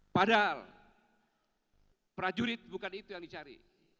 padahal prajurit bukan itu yang dicari